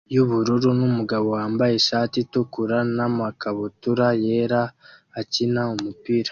yubururu numugabo wambaye ishati itukura namakabutura yera akina umupira